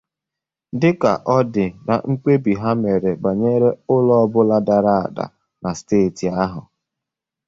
dịka ọ dị na mkpebi ha mèrè banyere ụlọ ọbụla dara àdà na steeti ahụ